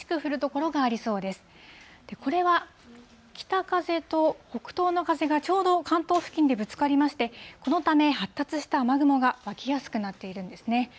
これは北風と北東の風がちょうど関東付近でぶつかりまして、このため発達した雨雲が湧きやすくなっているんですね。